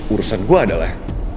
urusan gue adalah